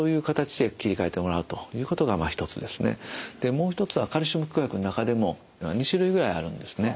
もう一つはカルシウム拮抗薬の中でも２種類ぐらいあるんですね。